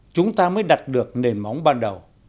chúng ta mới đặt được nền móng ban đầu